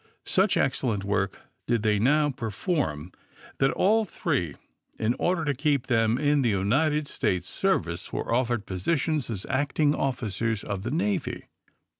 Such excellent work did they now perform that all three, in order to keep them in the United States^ service, were offered posi tions as acting officers of the Navy.